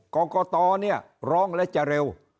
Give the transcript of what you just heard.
กรกตเนี่ยร้องและจะเร็ว